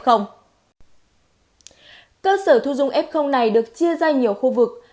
cơ sở thu dung f này được chia ra nhiều khu vực